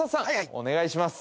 お願いします